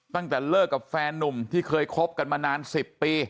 ตั้งแต่เลิกกับแฟนนุ่มที่เคยคบกันมานาน๑๐ปี